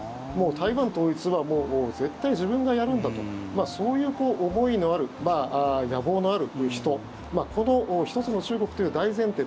台湾統一は絶対自分がやるんだとそういう思いのある野望のある人この一つの中国という大前提